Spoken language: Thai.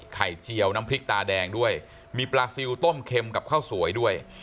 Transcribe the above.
เจียวน้ำพริกตาแดงด้วยมีปลาซิลต้มเค็มกับข้าวสวยด้วย